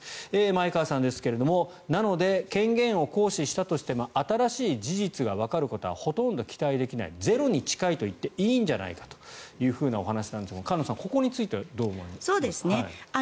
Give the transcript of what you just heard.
前川さんですがなので、権限を行使したとしても新しい事実がわかることはほとんど期待できないゼロに近いといっていいんじゃないかというお話ですが菅野さん、ここについてはどう思われますか？